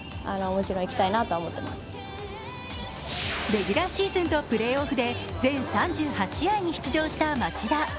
レギュラーシーズンとプレーオフで全３８試合に出場した町田。